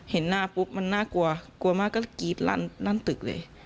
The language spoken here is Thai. เห็นหน้าปุ๊บมันน่ากลัวกลัวมากก็กรี๊ดลั่นตึกเลย